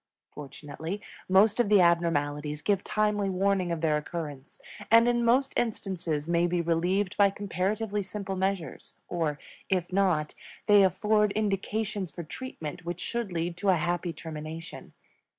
Fortunately, most of the abnormalities give timely warning of their occurrence, and in most instances may be relieved by comparatively simple measures; or, if not, they afford indications for treatment which should lead to a happy termination.